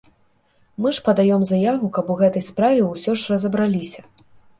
Мы ж падаём заяву, каб у гэтай справе ўсё ж разабраліся.